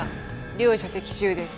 両者的中です。